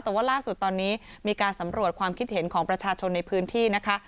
แต่ว่าล่าสุดตอนนี้มีการสำรวจความคิดเห็นของประชาชนในพื้นที่นะคะ